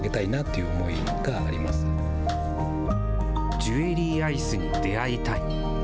ジュエリーアイスに出会いたい。